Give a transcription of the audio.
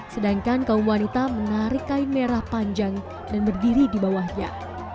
sedangkan kaum wanita menarik kain merah panjang dan berdiri di bawahnya